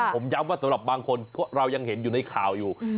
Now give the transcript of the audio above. ผมย้ำว่าสำหรับบางคนพวกเรายังเห็นอยู่ในข่าวอยู่